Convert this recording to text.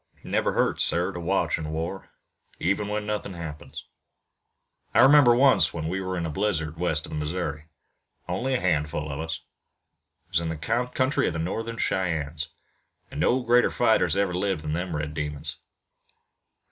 "It never hurts, sir, to watch in war, even when nothing happens. I remember once when we were in a blizzard west of the Missouri, only a hundred of us. It was in the country of the Northern Cheyennes, an' no greater fighters ever lived than them red demons.